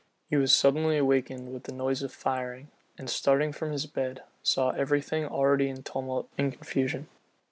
He was suddenly awaked with the noise of firing; and starting from his bed, saw every thing already in tumult and confusion.